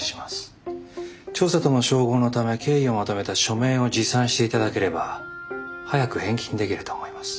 調査との照合のため経緯をまとめた書面を持参して頂ければ早く返金できると思います。